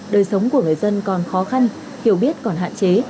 đời sống của người dân còn khó khăn hiểu biết còn hạn chế